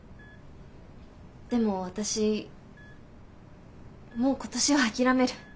でも私もう今年は諦める。